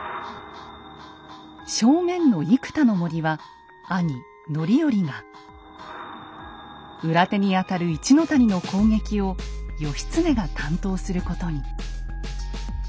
正面の生田の森は兄・範頼が裏手にあたる一の谷の攻撃を義経が担当することに。